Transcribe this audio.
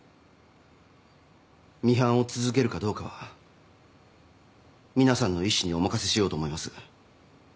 ミハンを続けるかどうかは皆さんの意思にお任せしようと思います。